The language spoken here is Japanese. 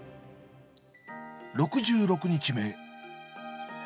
６６日目。